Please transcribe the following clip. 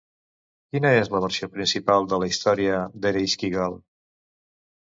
Quina és la versió principal de la història d'Ereixkigal?